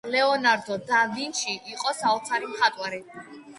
ლეონარდო და ვინჩი იყო საოცარი მხატვარი